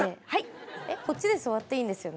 こっち座っていいんですよね？